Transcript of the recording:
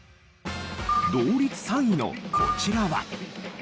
同率３位のこちらは。